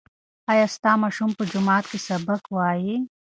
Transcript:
ایا ستا ماشوم په جومات کې سبق وایي؟